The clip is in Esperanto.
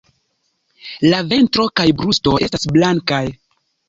La ventro kaj brusto estas blankaj.